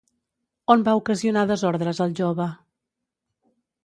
On va ocasionar desordres el jove?